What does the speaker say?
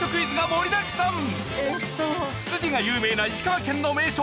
ツツジが有名な石川県の名所